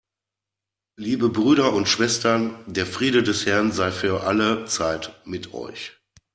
Liebe Brüder und Schwestern, der Friede des Herrn sei für alle Zeit mit euch.